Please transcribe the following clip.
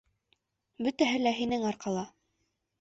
Бөтәһе лә һинең арҡала!